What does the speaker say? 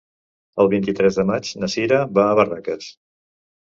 El vint-i-tres de maig na Cira va a Barraques.